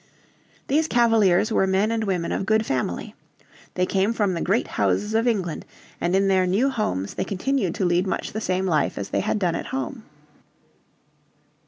These Cavaliers were men and women of good family. They came from the great houses of England, and in their new homes they continued to lead much the same life as they had done at home.